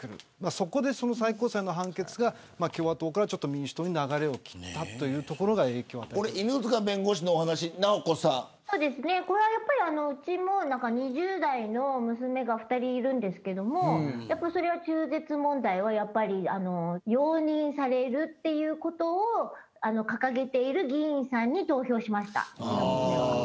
そこで最高裁の判決が共和党から民主党に流れを切ったというところが影響を与えてこの犬塚弁護士のお話うちも２０代の娘が２人いるんですけど中絶問題はやっぱり容認されるということを掲げている議員さんに投票しました。